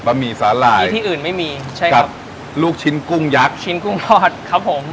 หมี่สาหร่ายที่ที่อื่นไม่มีใช่ครับลูกชิ้นกุ้งยักษ์ชิ้นกุ้งทอดครับผม